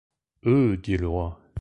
Heuh ! dit le roi.